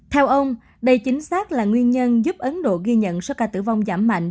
theo ông đây chính xác là nguyên nhân giúp ấn độ ghi nhận số ca tử vong giảm mạnh